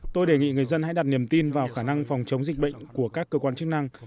tôi đề nghị người dân hãy đặt niềm tin vào khả năng phòng chống dịch bệnh của các cơ quan chức năng